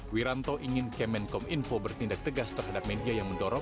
wiranto ingin kemenkom info bertindak tegas terhadap media yang mendorong